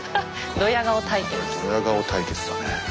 ドヤ顔対決だね。